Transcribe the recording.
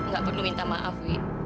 enggak perlu minta maaf